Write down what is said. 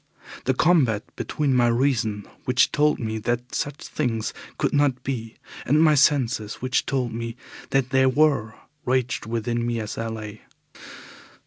The combat between my reason, which told me that such things could not be, and my senses, which told me that they were, raged within me as I lay.